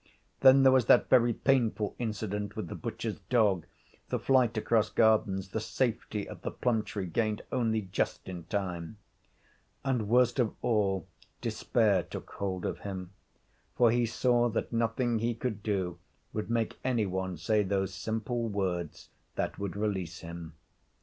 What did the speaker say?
Then there was that very painful incident with the butcher's dog, the flight across gardens, the safety of the plum tree gained only just in time. And, worst of all, despair took hold of him, for he saw that nothing he could do would make any one say those simple words that would release him.